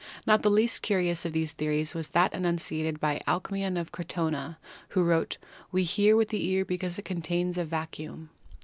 Not the least curious of these theories was that enunciated by Alcmaeon of Crotona, who wrote: "We hear with the ear because it contains a vacuum"